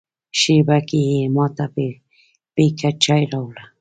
شېبه کې یې ما ته پیکه چای راوړ.